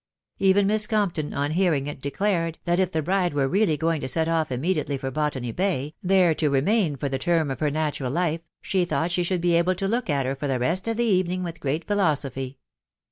Even Miss Compton, on hearing it, declared, that if the bride were really going to set off immediately for^Botany Bay, there to re main for the term of her natural life, she thought she should be able to look at her for the rest of the evening with great philosophy.